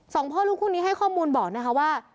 สองพ่อลูกคู่นี้ให้ข้อมูลบอกนะคะว่า